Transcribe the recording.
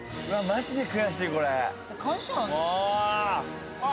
マジで悔しいこれもお！